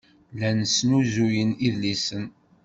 Llan snuzuyen idlisen.